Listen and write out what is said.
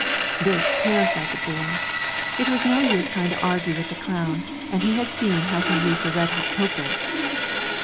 This terrified the boy. It was no use trying to argue with the clown, and he had seen how he used a red hot poker.